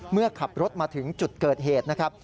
เมื่อขับรถมาถึงจุดเกิดเหตุนะครับ